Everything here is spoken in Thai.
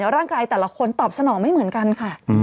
ร่างกายแต่ละคนตอบสนองไม่เหมือนกันค่ะ